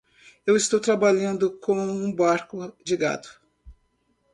Eu estou trabalhando em um barco de gado.